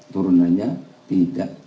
turunannya tidak boleh